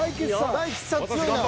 大吉さん強いな。